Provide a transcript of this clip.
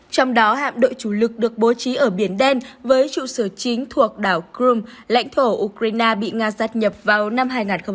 trong đó hạm đội chủ lực được bố trí ở biển đen với trụ sở chính thuộc đảo crimea lãnh thổ ukraine bị nga sát nhập vào năm hai nghìn một mươi